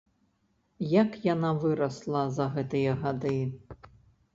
Як яна вырасла за гэтыя гады!